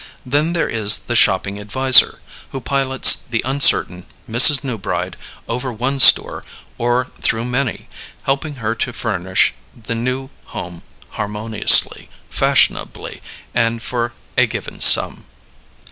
Then there is the shopping adviser, who pilots the uncertain Mrs. Newbride over one store or through many, helping her to furnish the new home harmoniously, fashionably, and for a given sum.